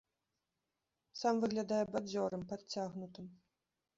Сам выглядае бадзёрым, падцягнутым.